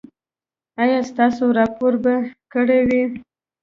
ایا ستاسو راپور به کره وي؟